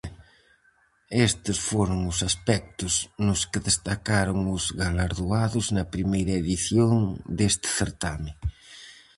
Estes foron os aspectos nos que destacaron os galardoados na primeira edición deste certame.